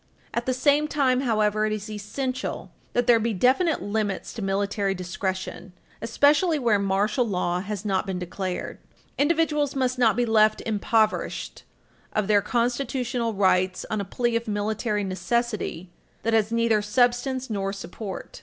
At the same time, however, it is essential that there be definite limits to military discretion, especially where martial law has not been declared. Individuals must not be left impoverished of their constitutional rights on a plea of military necessity that has neither substance nor support.